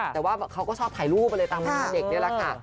แต่ว่าเขาก็ชอบถ่ายรูปอะไรตามเด็กนี่แหละค่ะ